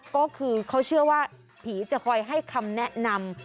ก็คือเขาเชื่อว่าผีจะคอยให้คำแนะนำ